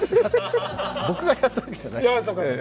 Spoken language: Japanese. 僕がやったわけじゃないよ。